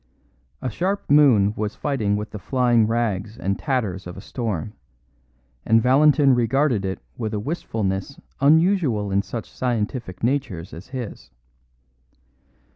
A sharp moon was fighting with the flying rags and tatters of a storm, and Valentin regarded it with a wistfulness unusual in such scientific natures as his.